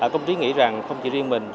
công chí nghĩ rằng không chỉ riêng mình